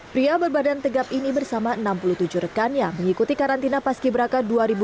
pria berbadan tegap ini bersama enam puluh tujuh rekan yang mengikuti karantina paski beraka dua ribu delapan belas